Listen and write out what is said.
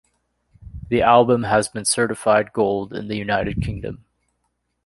The album has been certified gold in the United Kingdom.